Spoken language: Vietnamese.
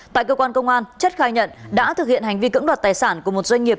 tại công an chất khai nhận đã thực hiện hành vi cưỡng đoạt tài sản của một doanh nghiệp